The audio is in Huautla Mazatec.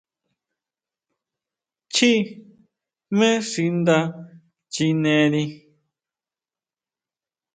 Chjí jmé xi nda chineri.